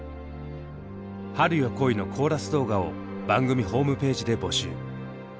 「春よ、来い」のコーラス動画を番組ホームページで募集。